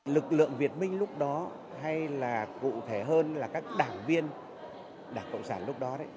lực lượng việt minh lúc đó hay là cụ thể hơn là các đảng viên đảng cộng sản lúc đó